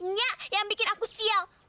enggak yang bikin aku sial